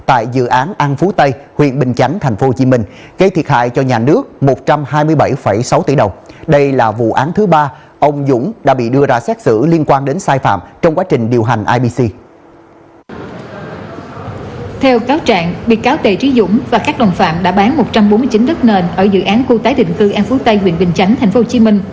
ở dự án khu tái định cư an phú tây huyện bình chánh tp hcm